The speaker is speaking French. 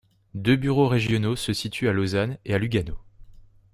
Deux bureaux régionaux se situent à Lausanne et à Lugano.